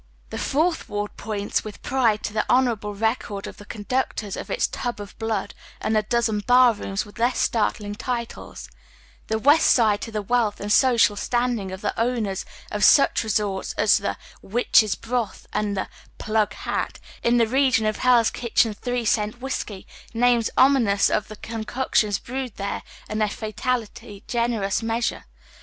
The Fourth Ward points with pride to the Iionorable record of tlie conductors of its " Tub of Blood," and a dozen bar rooms with less startling titles ; the West Side to the wealth and " social " standing of the owners of such resorts as tlie " Witches' Broth " and the " Plug Hat " in the region of Hell's Kitchen three cent whiskey, names ominous of the concoctions brewed there and of their fa tally generous measure.